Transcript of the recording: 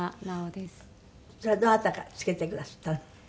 それはどなたが付けてくだすったの？